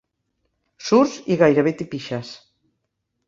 Surts i gairebé t'hi pixes.